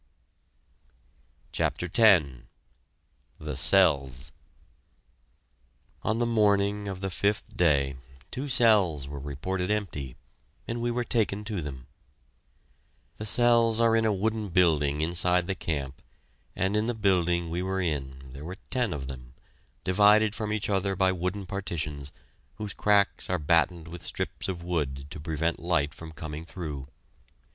CHAPTER X THE CELLS! On the morning of the fifth day two cells were reported empty, and we were taken to them. The cells are in a wooden building inside the camp, and in the building we were in there were ten of them, divided from each other by wooden partitions whose cracks are battened with strips of wood to prevent light from coming through.